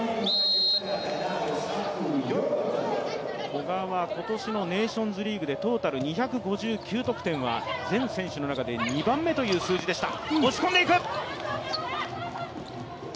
古賀は今年のネーションズリーグでトータル２５９得点は全選手の中で２番目という数字でした。